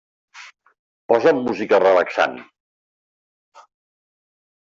Posa'm música relaxant.